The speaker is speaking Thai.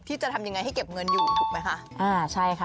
ที่จะทำยังไงให้เก็บเงินอยู่ถูกมั้ยคะ